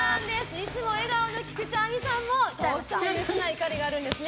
いつも笑顔の菊地亜美さんも許せない怒りがあるんですね。